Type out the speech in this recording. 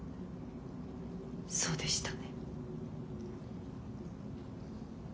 そうでしたね。